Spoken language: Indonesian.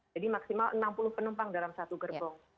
jadi maksimal enam puluh penumpang dalam satu gerbong